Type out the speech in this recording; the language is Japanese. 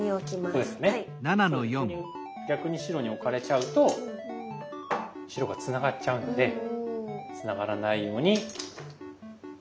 ここに逆に白に置かれちゃうと白がつながっちゃうのでつながらないように打って。